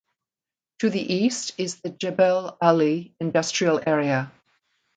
To the east is the Jebel Ali Industrial Area.